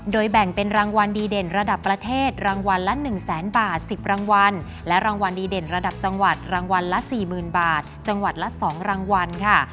โดยแบ่งเป็นรางวัลดีเด่นระดับประเทศรางวัลละ๑แสนบาท๑๐รางวัลและรางวัลดีเด่นระดับจังหวัดรางวัลละ๔๐๐๐บาทจังหวัดละ๒รางวัลค่ะ